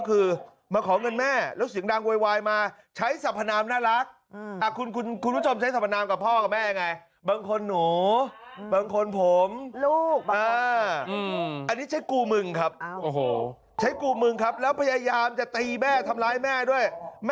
เอาเลยเอาเลย